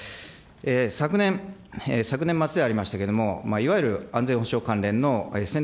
昨年、昨年末でありましたけれども、いわゆる安全保障関連の戦略